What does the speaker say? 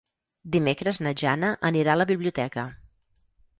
Dimecres na Jana anirà a la biblioteca.